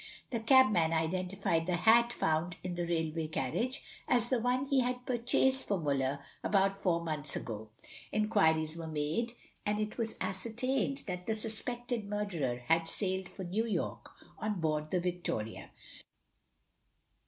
The cabman identified the hat found in the railway carriage as the one he had purchased for Muller about four months ago. Inquiries were made, and it was ascertained that the suspected murderer had sailed for New York, on board the Victoria.